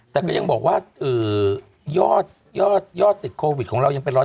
แต่ก็ยังบอกว่ายอดติดโควิดของเรายังเป็น๑๐